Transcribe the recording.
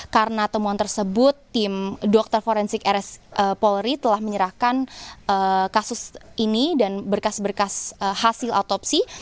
karena temuan tersebut tim dokter forensik rs polri telah menyerahkan kasus ini dan berkas berkas hasil otopsi